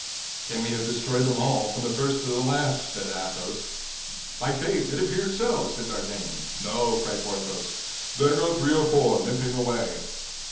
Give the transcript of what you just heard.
"Can we have destroyed them all, from the first to the last?" said Athos. "My faith, it appears so!" said D'Artagnan. "No," cried Porthos; "there go three or four, limping away."